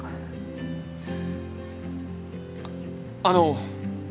あの。